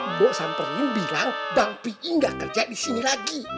ibu samperin bilang bang pii nggak kerja di sini lagi